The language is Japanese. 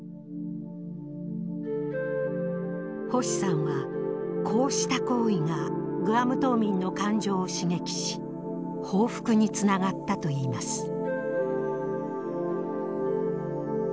星さんはこうした行為がグアム島民の感情を刺激し報復につながったといいます。